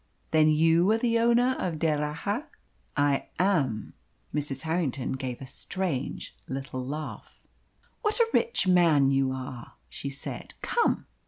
"Then you are the owner of D'Erraha?" "I am." Mrs. Harrington gave a strange little laugh. "What a rich man you are!" she said. "Come!